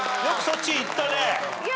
よくそっちいったね。